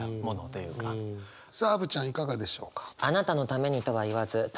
さあアヴちゃんいかがでしょうか？